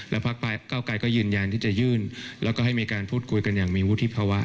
พักเก้าไกรก็ยืนยันที่จะยื่นแล้วก็ให้มีการพูดคุยกันอย่างมีวุฒิภาวะ